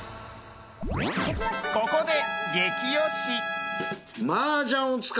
［ここで］